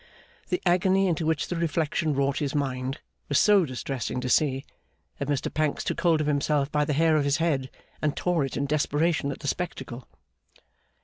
The agony into which the reflection wrought his mind was so distressing to see, that Mr Pancks took hold of himself by the hair of his head, and tore it in desperation at the spectacle.